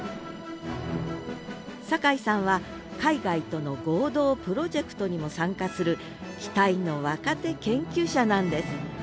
酒井さんは海外との合同プロジェクトにも参加する期待の若手研究者なんです